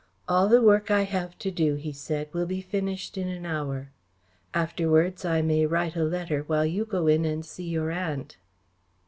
"All the work I have to do," he said, "will be finished in an hour. Afterwards I may write a letter while you go in and see your aunt."